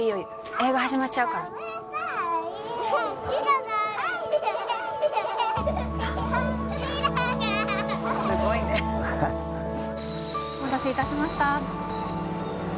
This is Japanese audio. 映画始まっちゃうからすごいねお待たせいたしましたご